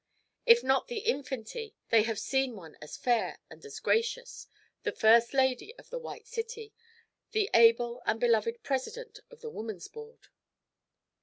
If not the 'infanty,' they have seen one as fair and as gracious, the first lady of the White City, the able and beloved president of the Woman's Board.